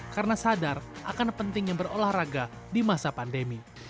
karena sadar akan pentingnya berolahraga di masa pandemi